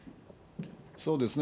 そうですね。